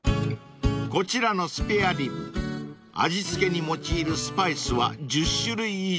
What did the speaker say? ［こちらのスペアリブ味付けに用いるスパイスは１０種類以上］